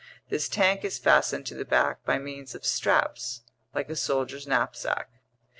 This tank is fastened to the back by means of straps, like a soldier's knapsack.